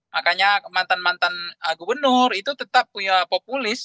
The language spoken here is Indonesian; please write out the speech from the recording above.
makanya mantan mantan gubernur itu tetap punya populis